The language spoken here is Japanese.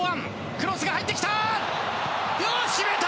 クロスが入ってきた！